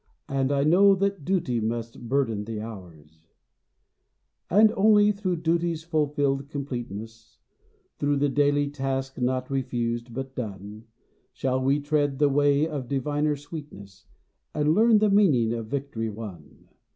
And I know that duty must burden the hours. 105 ON EASTER EVENING. And only through duty's fulfilled completeness, Through the daily task not refused, but done, Shall we tread the way of diviner sweetness, And learn the meaning of victory won.